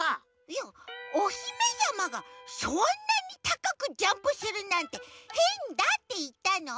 いやおひめさまがそんなにたかくジャンプするなんてへんだっていったの。